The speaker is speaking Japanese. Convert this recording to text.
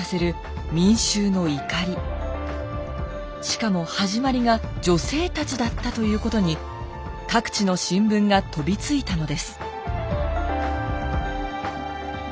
しかも始まりが女性たちだったということに各地の新聞が飛びついたのです。